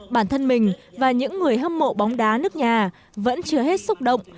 bản thân mình và những người hâm mộ bóng đá nước nhà vẫn chưa hết xúc động